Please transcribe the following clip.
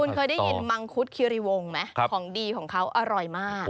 คุณเคยได้ยินมังคุดคิริวงไหมของดีของเขาอร่อยมาก